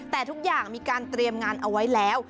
แต่ทุกอย่างมีการเตรียมงานเอาไว้แล้ว